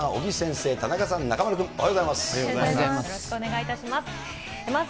生、田中さん、中丸君、おはようございます。